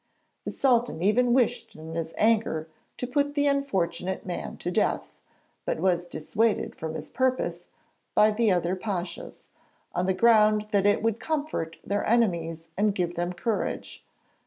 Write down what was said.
The Sultan even wished in his anger to put the unfortunate man to death, but was dissuaded from his purpose by the other pashas, on the ground that 'it would comfort their enemies and give them courage.'